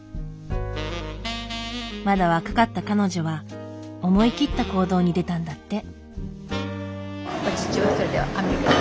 まだ若かった彼女は思い切った行動に出たんだって。